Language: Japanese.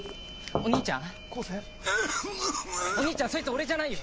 お兄ちゃんそいつ俺じゃないよ。